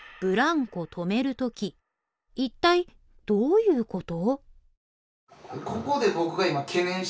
一体どういうこと？